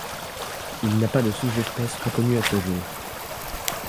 Il n’a pas de sous-espèce reconnue à ce jour.